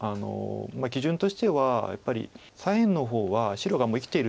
基準としてはやっぱり左辺の方は白がもう生きているので。